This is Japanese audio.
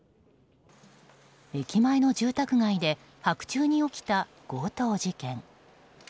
駅前の住宅街で白昼に起きた強盗事件。